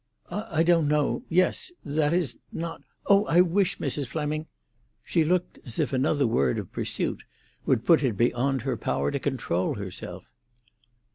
"I don't know—yes. That is, not——Oh, I wish Mrs. Fleming——" She looked as if another word of pursuit would put it beyond her power to control herself.